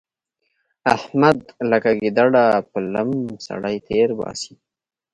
احمد لکه ګيدړه په لم سړی تېرباسي.